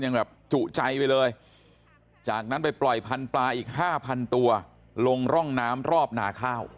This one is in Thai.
ยังแบบจุใจไปเลยจากนั้นไปปล่อยพันธุ์ปลาอีกห้าพันตัวลงร่องน้ำรอบนาข้าว